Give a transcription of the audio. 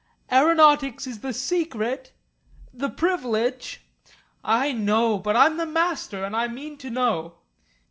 "Aeronautics is the secret the privilege " "I know. But I'm the Master, and I mean to know."